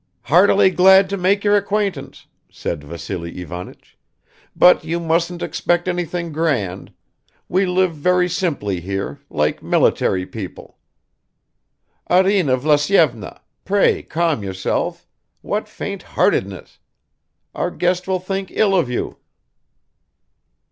"Heartily glad to make your acquaintance," said Vassily Ivanich, "but you mustn't expect anything grand: we live very simply here, like military people. Arina Vlasyevna, pray calm yourself; what faintheartedness! Our guest will think ill of you."